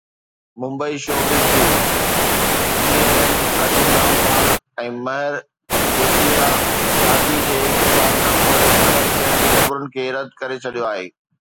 Mumbai (showbiz news) C N N Arjun Rampal ۽ Mehr Jesia شادي جي هڪ سال کانپوءِ الڳ ٿيڻ جي خبرن کي رد ڪري ڇڏيو آهي.